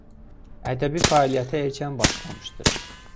Ədəbi fəaliyyətə erkən başlamışdır.